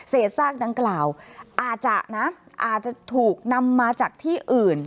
ซากดังกล่าวอาจจะนะอาจจะถูกนำมาจากที่อื่น